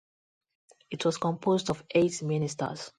It was composed of eight ministers.